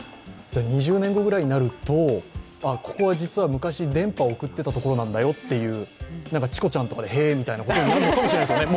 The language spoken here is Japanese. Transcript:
２０年後ぐらいになるとここが実は昔、電波を送っていたところだよみたいなちこちゃんとかで、へぇみたいになるかもしれないですよね。